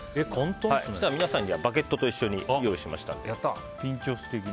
皆さんにはバゲットと一緒にご用意しました。